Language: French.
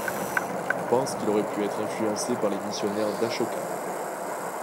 On pense qu'il aurait pu être influencé par les missionnaires d'Ashoka.